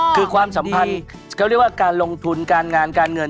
คือความสัมพันธ์เขาเรียกว่าการลงทุนการงานการเงิน